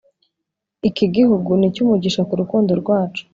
iki gihugu n’icyumugisha kurukundo rwacu